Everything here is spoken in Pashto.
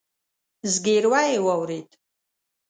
ځګيروی يې واورېد.